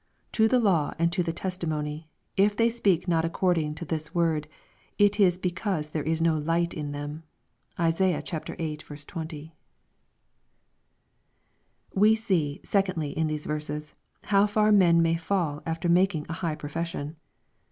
— "To the law and to the testimony : if they speak not accord ing to this word, it is because there is no light in them.*' (Isaiah viii. 20.) We see, secondly, in these verses, how far men may fall after making a high prof esaion.